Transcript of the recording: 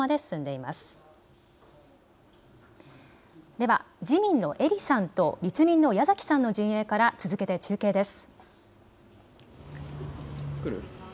では自民の英利さんと立民の矢崎さんの陣営から続けて中継です。